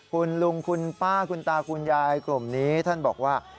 คุณลุงคุณป้าคุณตาคุณยายกลุ่มนี้ท่านบอกว่า